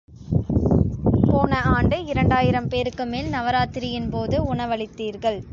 போன ஆண்டு இரண்டாயிரம் பேருக்குமேல் நவராத்திரியின்போது உணவளித்தீர்கள்.